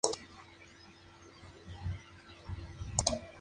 En esta ciudad falleció y se encuentra enterrado en el cementerio de Montmartre.